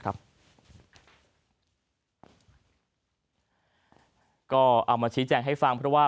ก็เอามาชี้แจงให้ฟังเพราะว่า